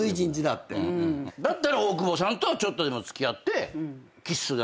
だったら大久保さんとはちょっとでも付き合って。